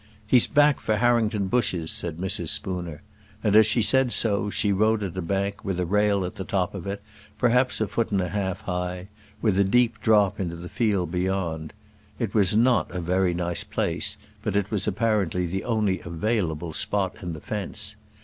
"He's back for Harrington bushes," said Mrs. Spooner. And as she said so, she rode at a bank, with a rail at the top of it perhaps a foot and a half high, with a deep drop into the field beyond. It was not a very nice place, but it was apparently the only available spot in the fence.